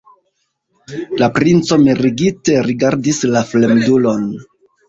La princo mirigite rigardis la fremdulon.